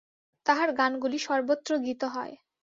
তাঁহার গানগুলি সর্বত্র গীত হয়।